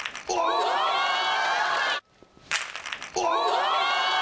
うわ！